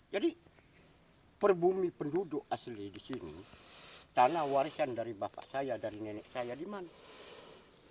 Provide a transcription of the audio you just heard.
jadi perbumi penduduk asli di sini tanah warisan dari bapak saya dan nenek saya di mana